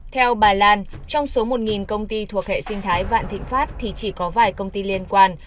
theo bà lan trong số một công ty thuộc hệ sinh thái vạn thịnh pháp thì chỉ có vài công ty liên quan